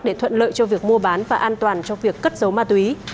để thuận lợi cho việc mua bán và an toàn cho việc cất giấu ma túy